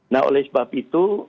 nah oleh sebab itu